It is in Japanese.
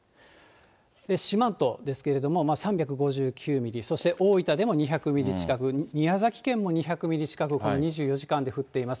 四万十ですけれども、３５９ミリ、そして大分でも２００ミリ近く、宮崎県も２００ミリ近く、２４時間で降っています。